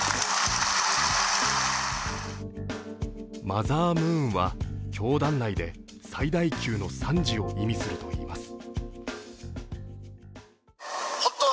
マザームーンは教団内で最大級の賛辞を意味するといいます。